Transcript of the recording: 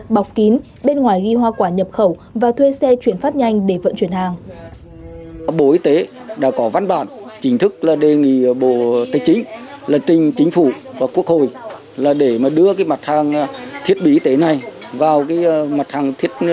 bọc kín bên ngoài ghi hoa quả nhập khẩu và thuê xe chuyển phát nhanh để vận chuyển hàng